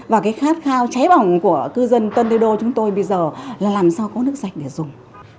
và cái khát khao cháy bỏng của cư dân tân thê đô chúng tôi bây giờ là làm sao có nước sạch để dùng